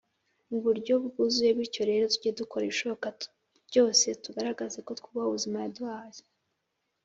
Mu buryo bwuzuye bityo rero tuge dukora ibishoboka byose tugaragaze ko twubaha ubuzima yaduhaye